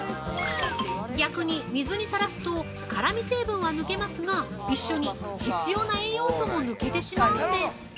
◆逆に、水にさらすと、辛み成分は抜けますが、一緒に必要な栄養素も抜けてしまうんです。